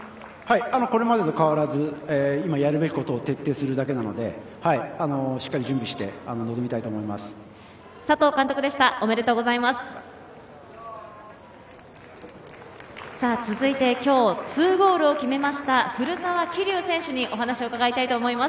これまでと変わらず今やるべきことを徹底するだけなので、しっかり準備をして臨みたいと思います。